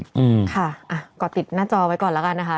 อืมค่ะอ่ะก่อติดหน้าจอไว้ก่อนแล้วกันนะคะ